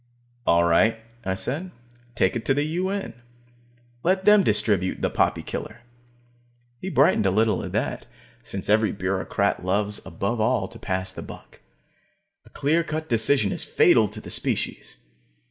All right, I said. Take it to the U.N. Let them distribute the poppy killer. He brightened a little at that, since every bureaucrat loves above all to pass the buck. A clear cut decision is fatal to the species.